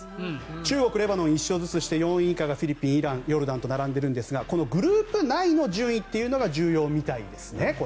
中国、レバノンが１勝ずつして４位以下がフィリピン、イランヨルダンと並んでいるんですがグループ内の順位が重要みたいですね。